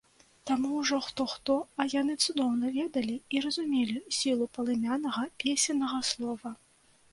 Таму ўжо хто-хто, а яны цудоўна ведалі і разумелі сілу палымянага песеннага слова.